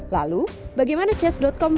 lalu bagaimana chess com